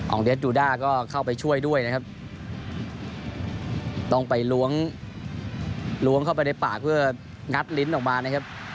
เดสดูด้าก็เข้าไปช่วยด้วยนะครับต้องไปล้วงล้วงเข้าไปในปากเพื่องัดลิ้นออกมานะครับ